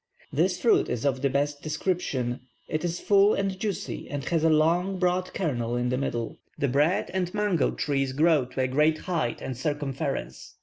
This fruit is of the best description; it is full and juicy, and has a long, broad kernel in the middle. The bread and mango trees grow to a great height and circumference.